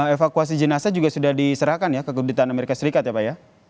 evakuasi jenazah juga sudah diserahkan ya ke kedutaan amerika serikat ya pak ya